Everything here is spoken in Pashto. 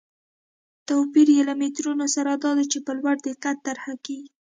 توپیر یې له مترونو سره دا دی چې په لوړ دقت طرحه کېږي.